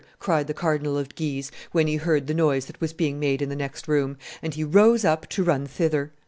cried the Cardinal of Guise, when he heard the noise that was being made in the next room; and he rose up to run thither.